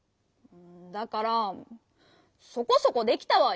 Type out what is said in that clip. だから「そこそこできた」わよ。